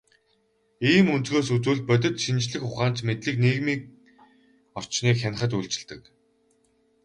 Ийм өнцгөөс үзвэл, бодит шинжлэх ухаанч мэдлэг нийгмийн орчныг хянахад үйлчилдэг.